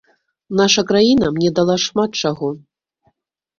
Наша краіна мне дала шмат чаго.